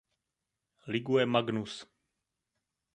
Ligue Magnus.